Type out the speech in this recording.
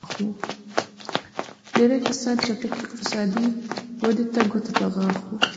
ډېری کسان چټکې اقتصادي ودې ته ګوته په غاښ وو.